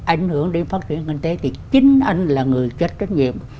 ảnh hưởng đến phát triển kinh tế thì chính anh là người trách trách nhiệm